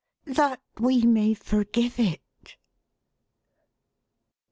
"That we may forgive it."